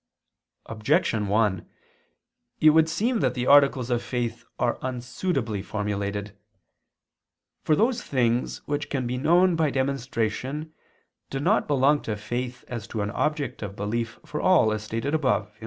Objection 1: It would seem that the articles of faith are unsuitably formulated. For those things, which can be known by demonstration, do not belong to faith as to an object of belief for all, as stated above (A.